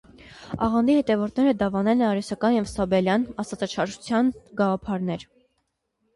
Աղանդի հետևորդները դավանել են արիոսական և սաբելյան (աստվածաչարչարություն) գաղափարներ։